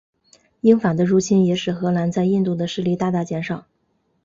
英法的入侵也使荷兰在印度的势力大大减少。